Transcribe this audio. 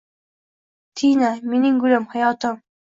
Tina! Mening gulim! Hayotim.